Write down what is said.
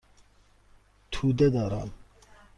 توده دارم.